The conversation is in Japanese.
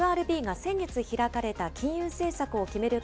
アメリカのＦＲＢが先月開かれた金融政策を決める